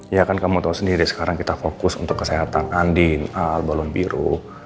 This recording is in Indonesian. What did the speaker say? ya kan kamu tahu sendiri sekarang kita fokus untuk kesehatan andi al balon biru